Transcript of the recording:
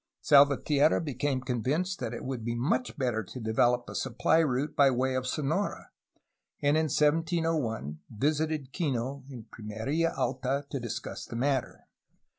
Salvatierra became convinced that it would be much better to develop a supply route by way of Sonora, and in 1701 visited Kino in Pimeria Alta to discuss the matter.